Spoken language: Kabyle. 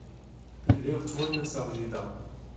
Lliɣ ttwenniseɣ jida.